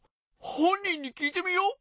ほんにんにきいてみよう！